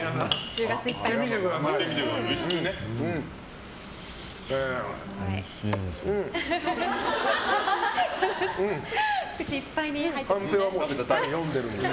１０月いっぱいです。